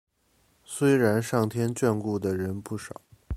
虽然上天眷顾的人不少